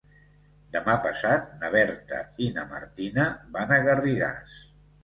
Demà passat na Berta i na Martina van a Garrigàs.